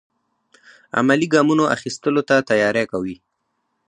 عملي ګامونو اخیستلو ته تیاری کوي.